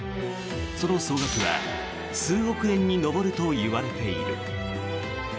その総額は数億円に上るといわれている。